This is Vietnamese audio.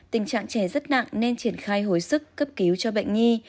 tình trạng trẻ rất nặng nên triển khai hồi sức cấp cứu cho bệnh nhi